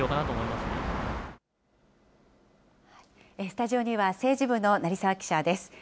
スタジオには政治部の成澤記者です。